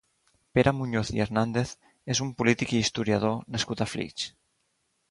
Pere Muñoz i Hernández és un polític i historiador nascut a Flix.